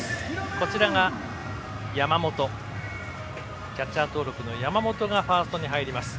こちらが山本キャッチャー登録の山本がファーストに入ります。